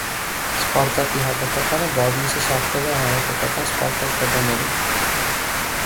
Սպարտակի հավաքականը բազմիցս հաղթել է հանրապետական սպարտակիադաներում։